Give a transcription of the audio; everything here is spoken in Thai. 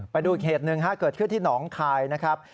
ไปดูอีกเหตุหนึ่งเกิดขึ้นที่หนองคายนะครับ